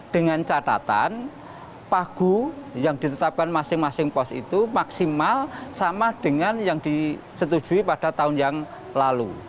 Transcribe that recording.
dengan catatan pagu yang ditetapkan masing masing pos itu maksimal sama dengan yang disetujui pada tahun yang lalu